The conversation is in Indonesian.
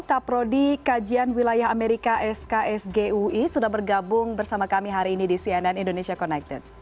taprodi kajian wilayah amerika sksgui sudah bergabung bersama kami hari ini di cnn indonesia connected